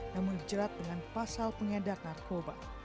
namun dijerat dengan pasal pengedar narkoba